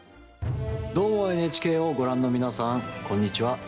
「どーも、ＮＨＫ」をご覧の皆さん、こんにちは。